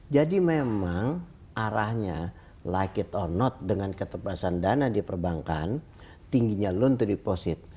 jadi memang arahnya like it or not dengan keterbasan dana di perbankan tingginya loan to deposit